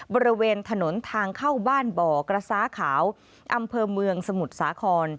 บริเวณถนนทางเข้าบ้านบ่อกระซ้าขาวอำเภอเมืองสมุทรสาคร